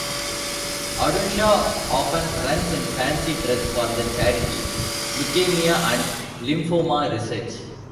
Audenshaw often runs in fancy dress for the charity Leukaemia and Lymphoma Research.